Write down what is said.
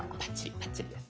バッチリです。